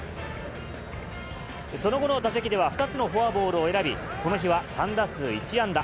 その後の打席では２つのフォアボールを選び、この日は３打数１安打。